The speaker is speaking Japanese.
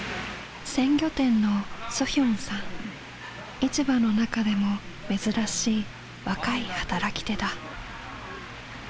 市場の中でも珍しい若い働き手だ。